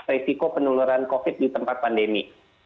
resiko penularan covid di tempat pandemi